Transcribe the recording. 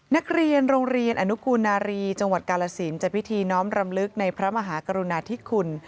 นักเรียนโรงเรียนอนุกูนารีจังหวัดกาลสินจะพิธีน้อมรำลึกในพระมหากรุณาธิคุณ